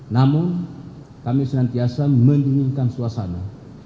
namun kami senantiasa mendinginkan suasana